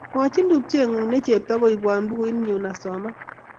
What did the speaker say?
Mwochin tupcheng'ung' ne chepto koibwon bukuit nyu asoman